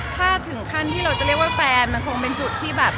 ถ้าถึงขั้นที่เราจะเรียกว่าแฟนมันคงเป็นจุดที่แบบ